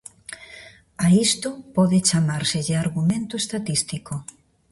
A isto pode chamárselle argumento estatístico.